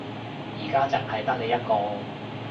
而家淨係得你一個